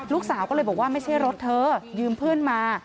ลูกสาวก็เลยบอกว่าไม่ใช่รถเธอยืมเพื่อนมา